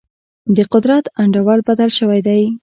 د قدرت انډول بدل شوی دی.